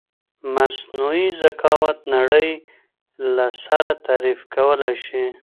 مثنوعې زکاوت نړی له سره تعریف کولای شې